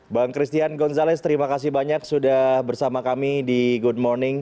bang christian gonzalez terima kasih banyak sudah bersama kami di good morning